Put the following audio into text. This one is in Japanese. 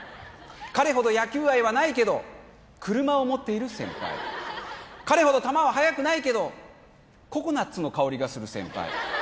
彼ほど野球愛はないけど車を持っている先輩彼ほど球は速くないけどココナッツの香りがする先輩